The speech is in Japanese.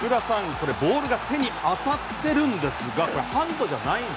これ、ボールが手に当たってるんですがこれハンドじゃない？